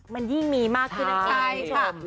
มันยิ่งมีมากใช่ใช่ค่ะ